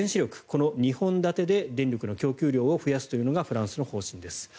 この２本立てで電力の供給量を増やすというのがフランスの方針です。